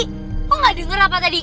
kok nggak denger apa tadi